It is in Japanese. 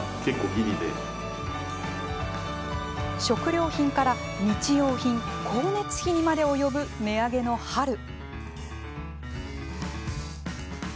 食料品から日用品光熱費にまで及ぶ値上げの春。